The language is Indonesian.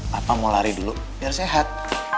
papa mau lari dulu biar sehat